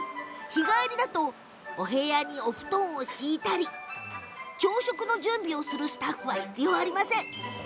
日帰りだと部屋に布団を敷いたり朝食の準備をするスタッフは必要ありません。